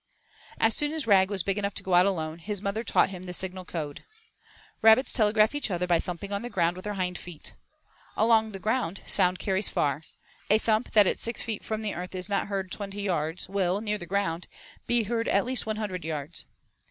As soon as Rag was big enough to go out alone, his mother taught him the signal code. Rabbits telegraph each other by thumping on the ground with their hind feet. Along the ground sound carries far; a thump that at six feet from the earth is not heard at twenty yards will, near the ground, be heard at least one hundred yards.